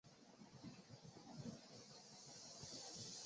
猎人山自治市是澳大利亚新南威尔斯州最小的地方政府。